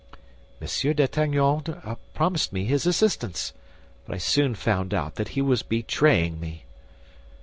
"Monsieur d'Artagnan promised me his assistance; but I soon found out that he was betraying me."